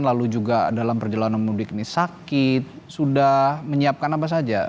lalu juga dalam perjalanan mudik ini sakit sudah menyiapkan apa saja